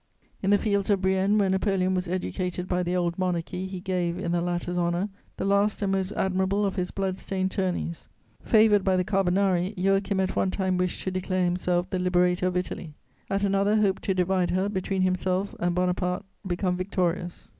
In the fields of Brienne, where Napoleon was educated by the old Monarchy, he gave, in the latter's honour, the last and most admirable of his blood stained tourneys. Favoured by the Carbonari, Joachim at one time wished to declare himself the liberator of Italy, at another hoped to divide her between himself and Bonaparte become victorious.